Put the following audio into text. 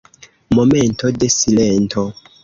Momento de silento!